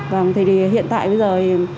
vâng thì hiện tại bây giờ